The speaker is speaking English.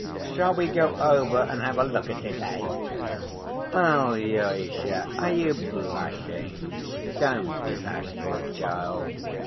Shall we go over and have a look at it, eh? Alyosha, are you blushing? Don't be bashful, child.